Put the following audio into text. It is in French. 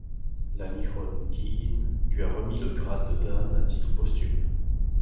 La Nihon Ki-in lui a remis le grade de dan à titre posthume.